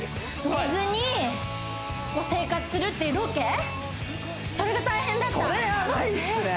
寝ずに生活するっていうロケそれが大変だったそれヤバいですね